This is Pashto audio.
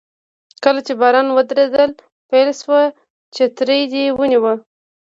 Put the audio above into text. کله چې باران وریدل پیل شول چترۍ دې ونیوه.